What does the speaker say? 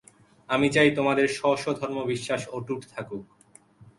আমি চাই তোমাদের স্ব স্ব ধর্মবিশ্বাস অটুট থাকুক।